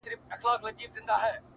که دیدن کړې ګودر ته راسه؛